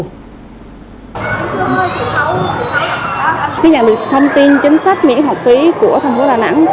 khi nhận được thông tin chính sách miễn học phí của tp đà nẵng